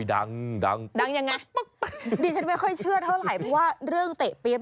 ดีฉันไม่ค่อยเชื่อเท่าไหร่เรื่องเตะปี๊บ